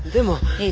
いい？